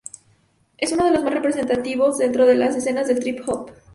Es uno de lo más representativos dentro de la escena del trip hop.